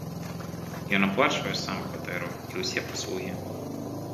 Ён аплачвае сам кватэру і ўсе паслугі.